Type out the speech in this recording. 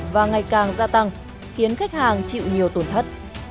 và ngày càng gia tăng khiến khách hàng chịu nhiều tổn thất